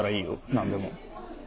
何でも。